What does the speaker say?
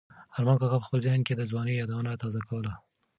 ارمان کاکا په خپل ذهن کې د ځوانۍ یادونه تازه کوله.